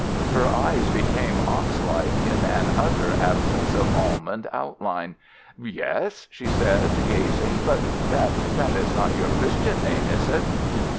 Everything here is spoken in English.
Her eyes became ox like in an utter absence of almond outline. "Yes," she said gazing, "but that that is not your christian name, is it?"